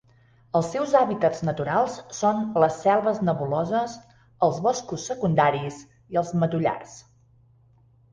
Els seus hàbitats naturals són les selves nebuloses, els boscos secundaris i els matollars.